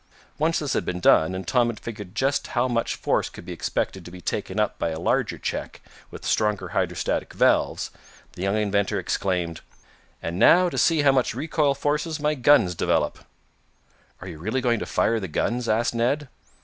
Once this had been done, and Tom had figured just how much force could be expected to be taken up by a larger check, with stronger hydrostatic valves, the young inventor explained: "And now to see how much recoil force my guns develop!" "Are you really going to fire the guns?" asked Ned.